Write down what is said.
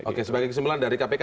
oke sebagai kesimpulan dari kpk